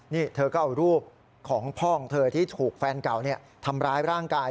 นี่เธอก็เอารูปของพ่อของเธอที่ถูกแฟนเก่าทำร้ายร่างกาย